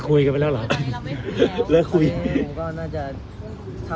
ก็ผมไม่มีอะไรจะพูด